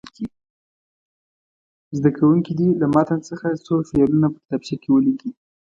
زده کوونکي دې له متن څخه څو فعلونه په کتابچو کې ولیکي.